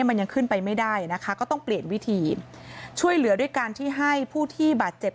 มันยังขึ้นไปไม่ได้นะคะก็ต้องเปลี่ยนวิธีช่วยเหลือด้วยการที่ให้ผู้ที่บาดเจ็บ